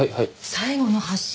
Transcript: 最後の発信